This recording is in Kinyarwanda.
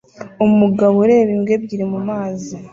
Umugabo ureba imbwa ebyiri mumazi